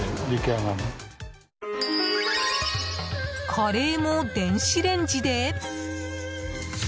カレーも電子レンジで？